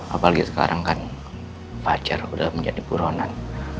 apalagi sekarang kan pacar udah menjadi buronan